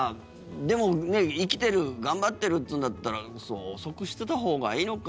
でも、生きてる頑張ってるっていうんだったら遅くしてたほうがいいのか。